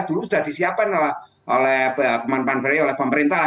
dulu sudah disiapkan oleh pemerintah